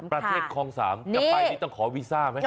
ประเทศคลอง๓จะไปต้องขอวีซ่าไหม